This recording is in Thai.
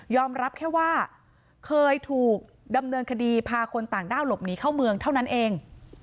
รับแค่ว่าเคยถูกดำเนินคดีพาคนต่างด้าวหลบหนีเข้าเมืองเท่านั้นเอง